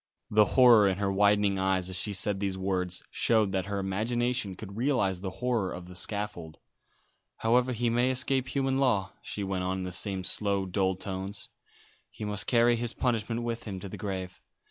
The horror in her widening eyes as she said these words showed that her imagination could realise the horror of the scaffold. "However he may escape human law," she went on, in the same slow, dull tones, "he must carry his punishment with him to the grave.